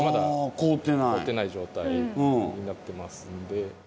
凍ってない状態になってますんで。